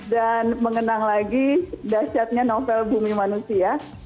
dan mengenang lagi dasyatnya novel bumi manusia